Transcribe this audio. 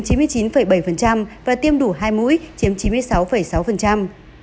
trong đó số người đã tiêm mũi một chiếm chín mươi chín bảy và tiêm đủ hai mũi chiếm chín mươi sáu sáu